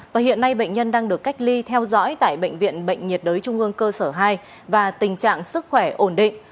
và hiện nay bệnh nhân đang được cách ly theo dõi tại bệnh viện bệnh nhiệt đới trung ương cơ sở hai và tình trạng sức khỏe ổn định